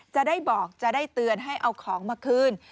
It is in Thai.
จะได้บอกจะได้เตือนให้เอาของมาคืน